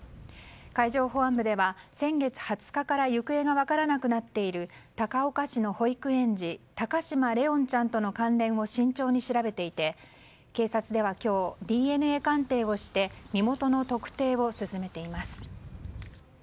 海上保安部では、先月２０日から行方が分からなくなっている高岡市の保育園児高嶋怜音ちゃんとの関連を慎重に調べていて警察では今日、ＤＮＡ鑑定をして身元の特定を進めています。